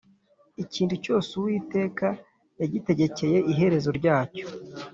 Ikintu cyose Uwiteka yagitegekeye iherezo ryacyo